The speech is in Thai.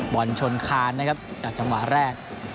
บอลชนคานนะครับจากจังหวะแรก